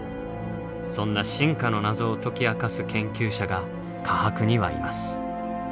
そんな進化の謎を解き明かす研究者が科博にはいます。